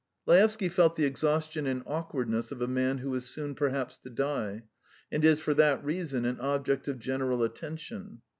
Laevsky felt the exhaustion and awkwardness of a man who is soon perhaps to die, and is for that reason an object of general attention.